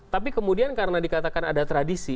tapi kemudian karena dikatakan ada tradisi